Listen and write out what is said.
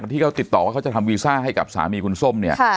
ที่เขาติดต่อว่าเขาจะทำวีซ่าให้กับสามีคุณส้มเนี่ย